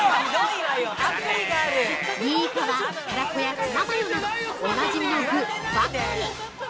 ２位以下はたらこやツナマヨなどおなじみの具ばかり。